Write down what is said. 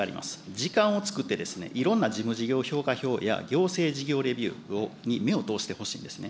時間を作って、いろんな事務事業評価票や行政事業レビューに目を通してほしいんですね。